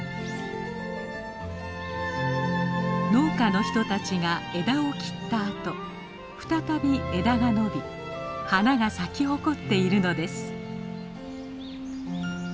農家の人たちが枝を切ったあと再び枝が伸び花が咲き誇っているのです。